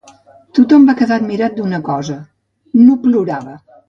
Tot-hom va quedar admirat d'una cosa, no plorava.